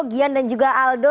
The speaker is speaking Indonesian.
gian dan juga aldo